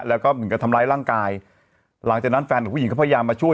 แล้วก็เหมือนกับทำร้ายร่างกายหลังจากนั้นแฟนของผู้หญิงก็พยายามมาช่วย